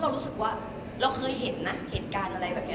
รู้สึกว่าเราเคยเห็นนะเหตุการณ์อะไรแบบนี้